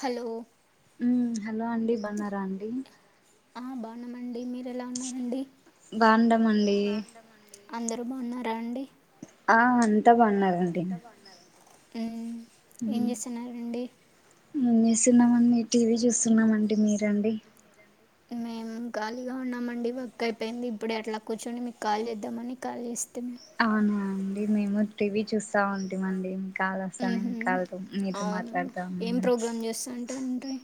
Hello ఉమ్ hello అండి బన్నారా అండి అనమండి మీరు ఎలా ఉన్నారండి బండమండ్డీ అందరు బాగున్నారా అండి ఆ అంతా బాగున్నారండి మ్మ్ ఏం చేస్తున్నారండి ఉ తిన్నాం అండి టీవీ చూస్తున్నామ అండి మీరు రండి మేము ఖగాలిగా ఉన్నామండి వర్క్ అయిపోయింది ఇప్పుడే అట్లా కూర్చొని మీకు కాల్ చేద్దామని కాల్ చేస్తా అవునా మేము టీవీ చూస్తా స్తా ఉంటేమండి కాల్ వస్తానే మ్మ్ కాల్ తో మీతో అవును మాట్లాడతా ఏం ఉన్నాను ప్రోగ్రామ్ చేస్తాంటండ్రి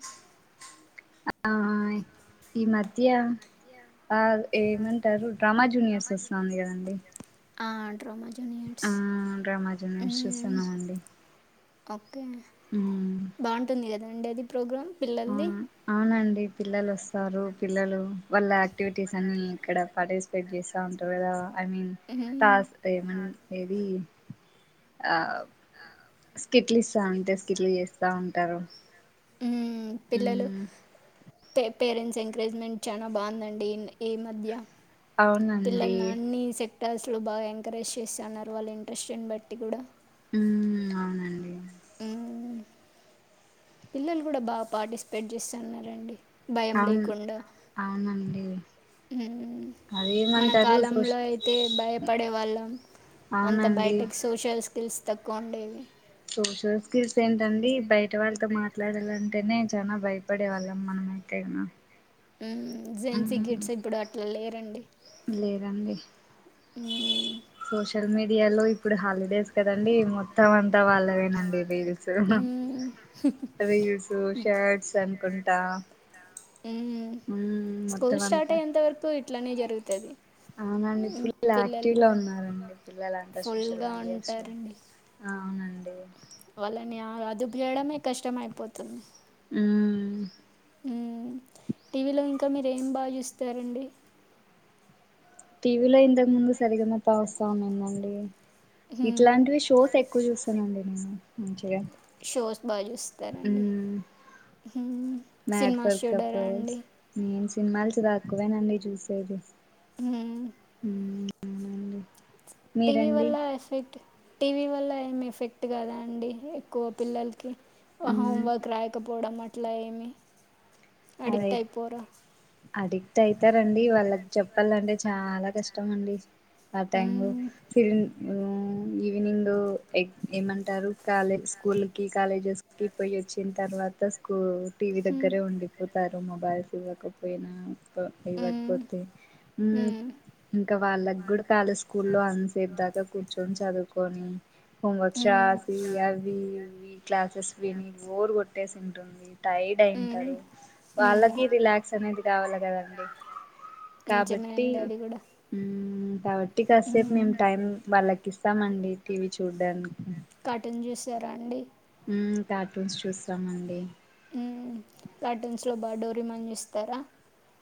ఆ ఈ మధ్య ఆ ఏమంటారు డ్రామా జూనియర్స్ వస్తుంది కదా అండి ఆట్ ఆ డ్రామా జూనియర్స్ చూస్తున్నామండి ఒక ఓకే బాగుంటుంది కదా అండి అది ప్రోగ్రామ్ అవునా అవునండి పిల్లలు వస్తారు పిల్లలు వాళ్ళ యాక్టివిటీస్ అన్ని ఇక్కడ [unintelligible] వెయిట్ చేస్తా ఉంటారు కదా ఐ మీన్ మ్మ్ తాజ ఏ మ ఏది ఆ స్కిట్లు ఇస్తా అంటే స్కిట్లు చేస్తా ఉంటారు మ్మ్ పిల్లలు మ్మ్ పే పేరెంట్స్ క్రేజ్మెంట్ చానా బాగుందండి ఈ మధ్య అవునండి క్టర్స్లు బాగా ఎంకరేజ్ చేస్తాన్నారు వాళ్ళ ఇంట్రెస్ట్నీ బట్టి కూడా ఉమ్ అవునండి ఉమ్ పిల్లలు కూడా బాగా పార్టిసిపేట్ చేస్త అన్నారండి అవును అవునండి ఉమ్మ్ మన అదేమంటారు సోష కాలంలో అయితే భయపడే వాళ్ళం అంత అవునండి బయటకి సోషల్స్ తెలుసు తక్కువ ఉండేవి సోషల్ స్కిల్స్ ఏంటండి బయట వాళ్ళతో మాట్లాడాలంటేనే చాలా భయపడే వాళ్ళం మనం అయితేగునా ఉమ్ జెన్ సి కిడ్స్ ఇప్పుడు అట్లా లేరండి లేదండి ఉమ్ సోషల్ మీడియాలో ఇప్ ఇప్పుడు హాలిడేస్ కదండి మొత్తం అంత అంత వాళ్ళవేనండి రీల్స్ రీల్స్ షర్ట్స్ అనుకుంన్ట్ త ఉమ్ స్కూల్ స్టార్ట్ అంతా అయ్యేంత వరకు ఇట్లనే జరుగుత్ తది అవునండి ఫుల్ యాక్టివ్లో ఉన్నారండి పిల్లలంతా సోషల్ ఫుల్గా మీడియాస్ లో ఉంటారండి అవునండి డి వాళ్ళని ఆ అదుపు చేయడమే కష్టం అయిపోతుంది ఉమ్ ఉమ్ టీవీలో ఇంకా మీరు ఏం బా చూస్తారండి టీవీలో ఇంతకు ముందు సరిగమప వస్తా ఉన్నిందండి ఉమ్ ఇట్లాంటివి షోస్ ఎక్కువ చూస్తానండి నేను మంచివే షోస్ బాగా చూస్తారండి ఉమ్ సినిమాస్ చూడారా అండి సినిమాల్స్ తాక్కువేనండి చూసేది మ్మ్ ఉమ్ అవునండి టీవీ మీరండి వల్ల ఎఫెక్ట్ టీవీ వల్ల ఏం ఎఫెక్ట్ కదా అండి ఎక్కువ పిల్లలకి ఆ హా మ్మ్ హోంవర్క్ రాయకపోడమట్ ఇట్లా ఏమి అడిక్ట్ అదై అయిపోరా అడిక్ట్ అయి తరండి వాళ్ళకి చెప్పాలంటే చాలా కష్టమండి ఆ టైం లో ఫిలిం మ్మ్ ఈవినింగ్ ఎక్ ఏమంటారు కాలే స్కూల్కి కాలేజెస్కి పోయి వచ్చిన తర్వాత స్కూ టీవీ దగ్గరే ఉండి తరు మొబైల్స్ ఇవ్వకపోయినా త ఇవ్వకపోతే వాళ్ళకి మ్మ్ ఇంకా వాళ్ళగూడా కల స్కూల్లో అంతసేపు దాకా కూర్చొని చదువుకొని హోంవర్క్స్ రాసి అవి ఇవి క్లాసెస్ విని బోర్ కొట్టేసింది డోంగ్లి టైర్డ్ అయింటారు వాళ్ళకి రిలాక్స్ అనేది కావాల కదండి కాబట్టి నిజమేనండి అది కూడా హ్మ్ కాబట్టి కాసేపు మేము టైం వాళ్ళకి ఇస్తామండి టీవీ చూడ్డానికి కార్టూన్ చూస్తారా అండి మ్మ్ కార్టూన్స్ చూస్తామండి మ్మ్ కార్టూన్స్ లో బా డోరేమాన్ చూస్తారా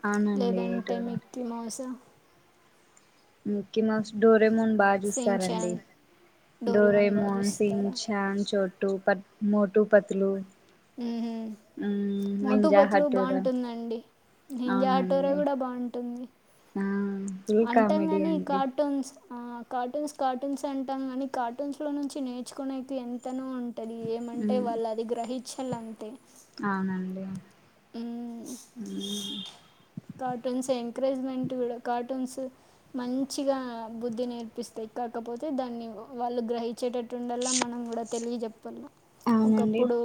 అవునండి ఇటు లేదంటే కూడా మిక్కీ మౌసు మ్మ్ క్కి మౌస్ డోరేమోన్ బా చూస్తారండి సించాన్ డోరీమాన్ బాగా డోరేమోన్ సిన్ చూస్తారా చాన్ చోటు పత్ మోటుపతులు ఉహూమ్ మోటు నింజా పత్లు హట్టూరా బావుంటుందండి నింజా ఆటోరే అవునండి కూడా బావుంటుంది ఆ ఫుల్ కామెడి అండి కార్టూన్స్ ఆ కార్టూన్స్ కార్టూన్స్ అంటాం కాని కార్టూన్స్ లో నుంచి నేర్చుకునేకి ఎంతనో ఉం టది ఏమంటే మ్మ్ వాళ్ళు అది గ్రహి చలంతే అవునండి మ్మ్ మ్మ్ కార్టూన్స్ ఎంకరేజ్మెంట్ కూడా కార్టూన్స్ టు మంచిగా బుద్ధి నేర్పిస్తాయి కాకపోతే దాన్ని వాళ్ళు గ్రహించేటట్టు టుండల్లా మనం కూడా తెలియజెప్ప్ [unintelligible] అవునండి ఒకప్పుడు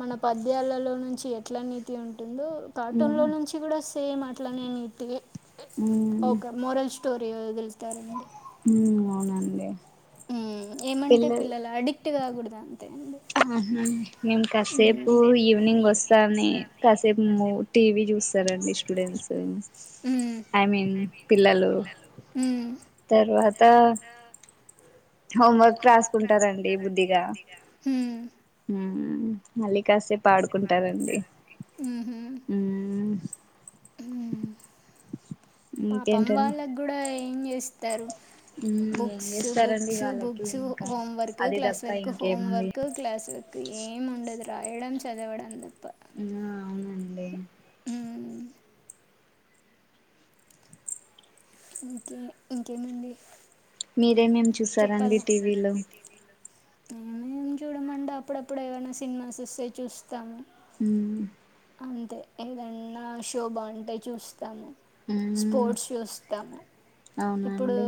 మన ప వేళల్లో నుంచి ఎట్లా నీతి ఉంటుందో కార్టూన్ లో మ్మ్ నుంచి కూడా సేమ్ అట్లనే నీతి ఒక మోరల్ స్టోరీ [unintelligible] హ్మ్ అవునండి మ్మ్ ఏమంటే పిల్లలు ఆడి టీ తాగుడదా ఆ హ్మ్ నేన్ కాసేపు ఈవినింగ్ వస్తానే కాసేపు మూవ్ టీవీ చూస్ సరే అండి స్టూడెంట్స్ ఐ మీన్ పిల్లలూ తర్వాత హోంవర్క్ రాసుకుంటారండి బుద్ధిగా హ్మ్ మలి కాసేపు ఆడుకుంటారండి హ్మ్ పాపం ఇంకేంటండి వాళ్ళగ్ కూడా ఏం జేస్ తరు ఉమ్ ఏం బుక్స్ చేస్తారండి బుక్స్ వాళ్ళకి బుక్స్ ఇంకా హోం వర్క్ అది క్లాస్ తప్ప వర్క్ హోం ఇంకేముంది వర్క్ క్లాస్ వక్ ఏమ్ ఉండదు రాయడం చదవడం తప్ప హ్మ్ అవునండి హ్మ్ ఇంకే ఇంకేమండి మీరేమేం చూసారండి టీవీలో మేం చూడమండి అప్పుడప్పుడు ఏమైనా సినిమాస్ వస్తే చూస్తాము హ్మ్ అంతే ఏదన్నా షో బాగుంటే చూస్తాము ఉమ్ స్పోర్ట్స్ చూస్తాము ఇప్పుడూ అవునండి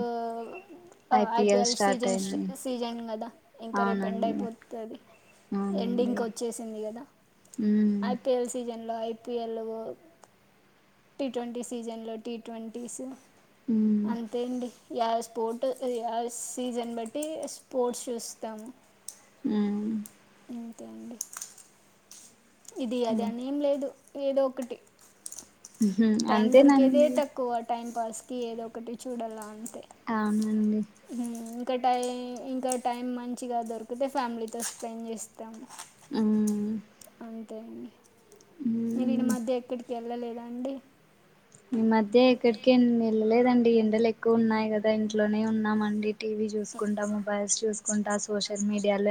ఐపిఎల్ ఐపీఎల్ స్టార్ట్ సీజన్స్ అయింది సీజన్ కదా ఇంకా రేపు ఎండ్ అవునండి అయిపోతది. అవునండి ఎండింగ్కి వచ్చేసింది కదా ఉమ్ ఐప్ జన్ లో ఐపిఎలు జన్ టి ట్వంటీ సీజన్ లో టీ ట్వంటీస్ ఉమ్ అంతే అండి యా స్పోర్ట్ యా సీజన్ బట్టి స్పోర్ట్స్ చూస్తామ్ హ్మ్ ఇంతే అండి ఇది అది అని ఏం లేదు ఏదో ఒ ఒకటి ఉహు టైం దొరికేదే అంతేనండి తక్కువ టైమ్ పాస్ కి ఏదో ఒకటి చూడాల అంత్ అవును హ్మ్ ఇంకా టై ఇంకా టైం మంచిగా దొరికితే ఫ్యామిలీతో స్పెండ్ చేస్తాము హ్మ్ అవి తెండి మీరు ఈన ఉమ్ మధ్య ఎక్కడికి వెళ్ళలేద అండి ఈ మధ్య ఎక్కడికి వెళ్ళలేదండి ఎండలు ఎ క్కువ ఉన్నాయి కదా ఇంట్లోనే ఉన్నామండి టీవీ చూసుకుంటా మొబైల్స్ చూసుకుంటా సోషల్ మీడియాల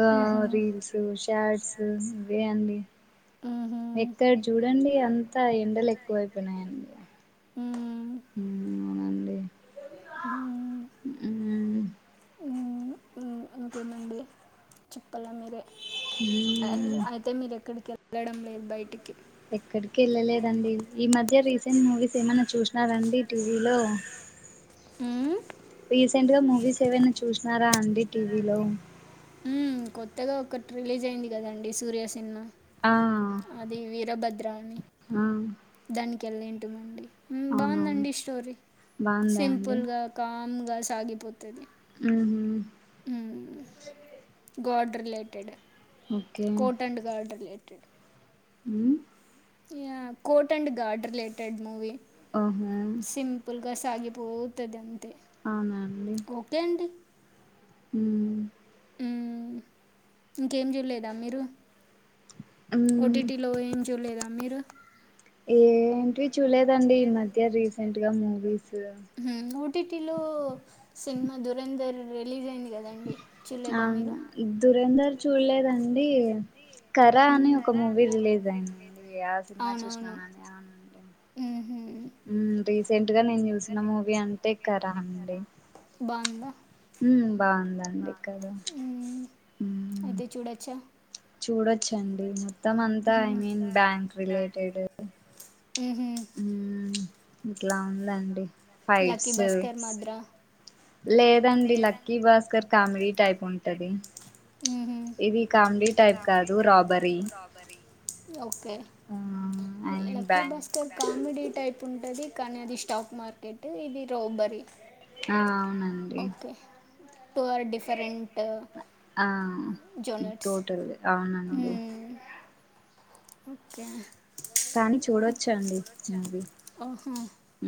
ఆ మ్హూ. రీల్స్ శాట్ ఇవే అండి అండి మ్హూ. ఎక్కడ చూడండి అంతా ఎండలు ఎక్క క్కువైపోయినాయి అండి హ్మ్మ్ మ్మ్ నండి మ్మ్ ఇంకేమండి చెప్పాల మీరే అయితే మీరెక్కడికి మేడం పోయింది బయటికి ఎక్కడికి వెళ్ళలేదండి ఈ మధ్య రీసెంట్ మూవీస్ ఏమన్నా చూసినారండి టీవీలో రీసెంట్ గా మూవీస్ ఏవైనా చూసినారా అండి టీవీలో కొత్తగా ఒకటి రిలీజ్ అయింది కదండి సూర్యా సినిమా ఆ అది వీరభద్ర అని ఆ దానికి కెళ్ళింటుమండి అవునవును బాగుందండి స్టోరీ బాగుందా అండి సింపుల్ గా ఒకా మ్ గా సాగిపోతే అది ఉహు మ్మ్ god related okay court and guard related మ్మ్ court and guard related movie అవునా గస్ ఆగిపోతది అం ఓకే అండి హ్మ్మ్ హ్మ్మ్ ఇంకేం చూల్లేదా మీరు ఉమ్ ఓటీటి లో ఏం చూలేదా మీరు ఏ ఏంటి చూడలేడండి ఇ మధ్య రీసెంట్ గా మూవీస్ ఓ టి టి లో సినిమా దురంధర్ రిలీజ్ అయింది కదండి చూడలేదా మీరు అవునా దురేంధర్ చూడలేదండి కరా అని ఒక మూవీ రిలీజ్ అయిందండి ఆ సినిమా అవునవును చూసిననని అండి ఉన రీసెంట్గా నేను మూవీ అంటే కరా బాగుందా ఉమ్ బాగుందండి ఇక బాగుంట ఉవేత అయితే చూడొచ్చా చూడ వచ్చు అండి మొత్తం అంతా I mean bank related village um ఇట్లా ఉందండి లక్కీ ఫైట్స్ బాస్కర్ మాధర్ ఆ లేదండి లక్కీ భాస్కర్ కామెడీ టైప్ ఉంటది మ్మ్హ. ఇది కామెడీ టైప్ కాదు robbery okay okay ah, I mean lucky bank Bhaskar comedy type ఉంటది కానీ అది స్టాక్ మార్కెట్ ఇది రోబరి ఆ అవునండి okay two are different genres అ అవునండి ఓకే కానీ చూడవచ్చు అండి మూవీ ఓహో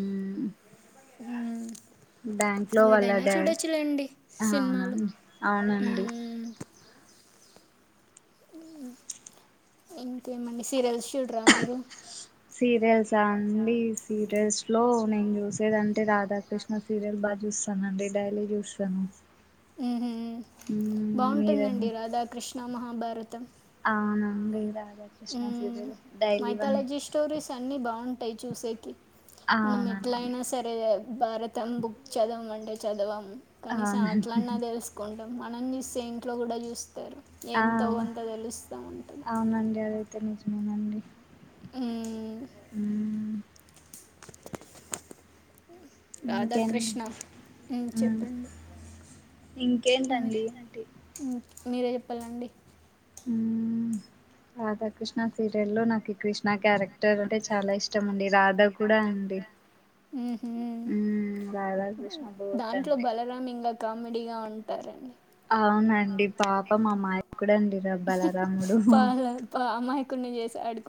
ఉమ్ మ్మ్. బ్యాంక్ లో వాళ్ల ఏదైనా దా చూడొచ్చులేండి సినిమాలు అవునండి అవునండి మ్మ్. ఇంకేమండి సీరియల్స్ చూడరా మీరు సీరియల్స్ రండి సీరియల్స్ లో నేను చూసేదంటే రాధాకృష్ణ సీరియల్ బాగా చూస్తానండి డైలీ చుస్తాను ఉహుమ్ బావుంటుందండి మీరండి రాధాకృష్ణ. మహాభారతం ఆనందిరాయి ఉహ్ మైథాలజీస్ స్టోరీస్ అన్ని బావుంటాయి. చుసేకి మనం ఎట్ల అవునండి అయినా సరే భారతం బుక్ చదవం అండి. చదవం కనీసం అవునండి అట్లన్నా తెలుసుకన్ మనం చూస్తే ఇంట్లో కూడా చుస్తారు. ఆ ఎంతో కొంత తెలుస్తా ఉంటది. అంత నిజమేనండి ఉహ్ ఇంకేంటి రాధాకృష్ణ మ్మ్, ఉహ్ చెప్పండి మ్మ్. ఇంకేంటండి ఏంటి మీరే చెప్పాలండి ఉహ్ రాధా కృష్ణ సీరియల్ లో నాకు కృష్ నా క్యారెక్టర్ అంటే చాలా ఇష్టం అండి. రాధా కూడా అండి మ్మ్హ్మ్. ఉహ్ రాధాకృష్ణ బోత్ దాంట్లో అండి. బలరాం ఇంగా కామెడీగా ఉంటారండి. అవునండి పాపం అమాయకూడండి ర బలరాముడు.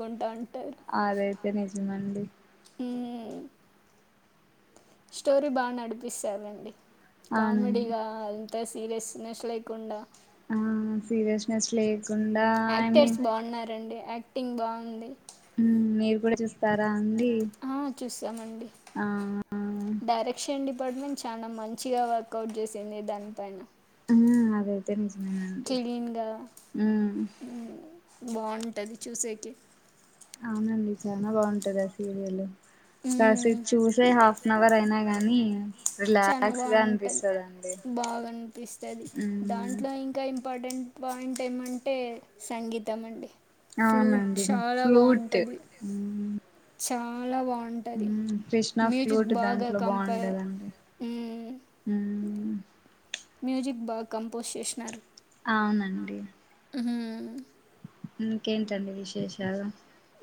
కొంటాన్ అదైతే నిజమండీ. హమ్ స్టోరీ బాగా నడిపిస్తారండి అవునండి కామెడిగా ఇ ఎ సీరియస్నెస్ లేకుండా ఆ సీరియస్నెస్ లేకుండా ఐ యాక్టర్స్ మీన్ బావున్నారండి. యాక్టింగ్ బావుంది ఉహ్ మీరు కూడా చూస్ తార అండి ఆ చూసామండి. ఆ ఆ ఇప్పటి నుంచి చాలా మంచిగా వర్కౌట్ చేసింది దానిపైన. ఉహ్ అది అయితే నిజమండి క్లీన్‌గా ఉహ్ హ్మ్ బావుంటది చూసేకి అవునండి చాలా బాగుంటది ఆ సీరియల్ ఉహ్ కాసేపు చూసే హాఫ్ అన్ అవర్ అయినా గాని చాల రిలాక్స్ గా బాగుంటది అనిపిస్తదండి బాగా అనిపిస్తుంది మ్మ్ దాంట్లో ఇంకా ఇంపార్టెంట్ పాయింట్ ఏమంటే సంగీతం అండి ఫ్లూట్ అవునండి చాలా ఫ్లూట్ బాగుంటుంది చాలా బాగుంట్ ఉమ్మ్ కృష్ణా ఫ్లూట్ దాంట్లో కంప బాగుంటదండి ఉమ్మ్ మ్యూజిక్ బాగ్ కంపోజ్ చేసినారు అవునండి ఉమ్మ్ ఇంకేంటండి విశేషాలు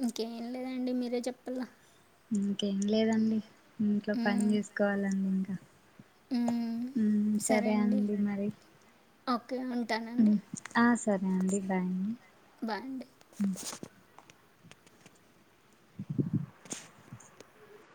ఇంకేం లేదండి మీరే చెప్పలా ఇంకేం లేదండి ఇంట్లో పని చేసుకోవాలండి ఇంకా ఉమ్ సరే అండి మరి ఓకే ఉమ్ ఉంటానండి ఆ సరే అండి బాయ్ బాయ్ అండి ఉమ్మ్